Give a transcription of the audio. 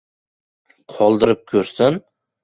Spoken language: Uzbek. — Qoldirib ko‘rsin!